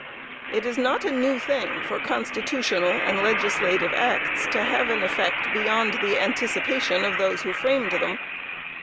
It is not a new thing for constitutional and legislative acts to have an effect beyond the anticipation of those who framed them.